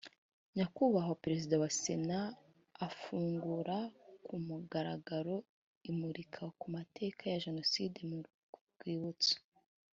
nyakubahwa perezida wa sena afungura ku mugaragaro imurika ku mateka ya jenoside mu rwibutso